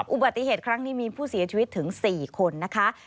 อุบัติเหตุครั้งนี้มีผู้เสียชีวิตถึง๔คนนะคะ